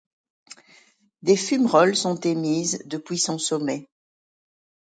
Des fumerolles sont émises depuis son sommet.